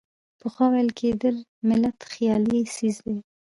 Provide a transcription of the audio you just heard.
پخوا ویل کېدل ملت خیالي څیز دی.